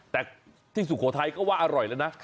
แต่ที่สุโขทัยก็ว่าอร่อยแล้วนะ